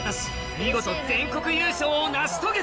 見事全国優勝を成し遂げた！